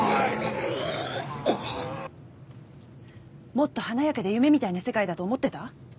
もっと華やかで夢みたいな世界だと思ってた？